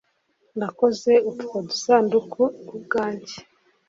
Nakoze utwo dusanduku ubwanjye